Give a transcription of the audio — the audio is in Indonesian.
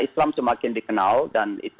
islam semakin dikenal dan itu